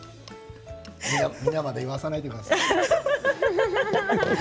みなまで言わせないでください。